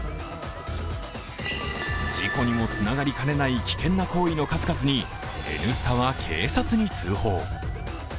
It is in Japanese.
事故にもつながりかねない危険な行為の数々に「Ｎスタ」は警察に通報。